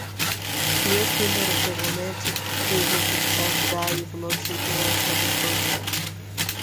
In European literature, the Romantic movement emphasized the value of emotion and irrational inspiration.